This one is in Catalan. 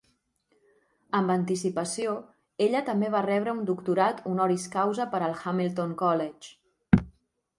Amb anticipació, ella també va rebre un doctorat "honoris causa" per al Hamilton College.